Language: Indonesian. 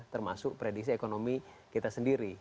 termasuk prediksi ekonomi kita sendiri